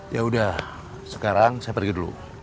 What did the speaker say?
ya udah sekarang saya pergi dulu